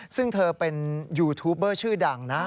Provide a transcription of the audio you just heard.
ซึ่งเธอเป็นยูทูปเบอร์ชื่อดังนะ